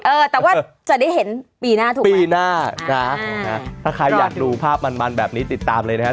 เออแต่ว่าจะได้เห็นปีหน้าถูกปีหน้านะถ้าใครอยากดูภาพมันมันแบบนี้ติดตามเลยนะครับ